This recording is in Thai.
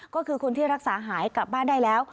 ก็คือคนที่รักษาหายกลับบ้านได้แล้ว